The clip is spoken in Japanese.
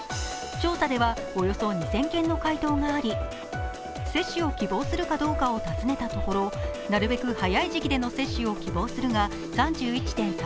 調査ではおよそ２０００件の回答があり、接種を希望するかどうかを尋ねたところなるべく早い時期での接種を希望するが３１．３％。